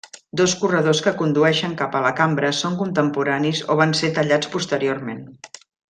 Dos corredors que condueixen cap a la cambra són contemporanis o van ser tallats posteriorment.